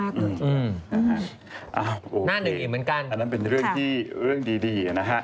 อ้าวโอเคอันนั้นเป็นเรื่องที่ดีนะฮะหน้าหนึ่งอีกเหมือนกัน